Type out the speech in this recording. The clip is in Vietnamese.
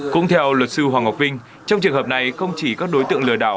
cũng theo luật sư hoàng ngọc vinh trong trường hợp này không chỉ các đối tượng lừa đảo